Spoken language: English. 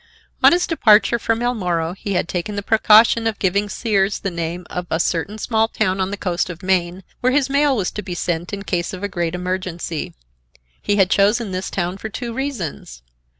On his departure from El Moro he had taken the precaution of giving Sears the name of a certain small town on the coast of Maine where his mail was to be sent in case of a great emergency. He had chosen this town for two reasons.